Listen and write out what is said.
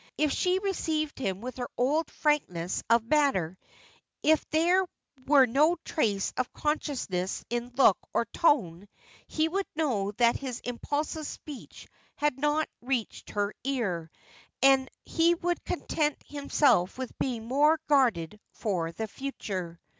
If she received him with her old frankness of manner, if there were no trace of consciousness in look or tone, he would know that his impulsive speech had not reached her ear, and he would content himself with being more guarded for the future.